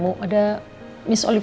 gue gak masuk ya